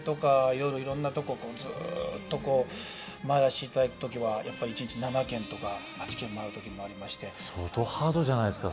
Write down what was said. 夜色んなとこずーっと回らせて頂いた時はやっぱり１日７軒とか８軒回る時もありまして相当ハードじゃないですか